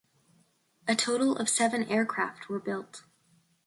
A total of seven aircraft were built.